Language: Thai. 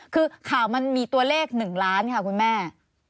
คือข่าวมันมีตัวเลขหนึ่งล้านไหมครับคุณแม่